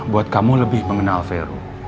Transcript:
buat kamu lebih mengenal vero